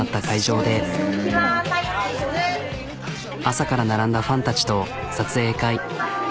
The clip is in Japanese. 朝から並んだファンたちと撮影会。